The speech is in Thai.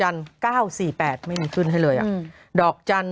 โหยวายโหยวายโหยวาย